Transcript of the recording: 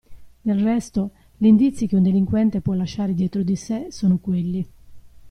Del resto, gli indizi che un delinquente può lasciare dietro di sé sono quelli.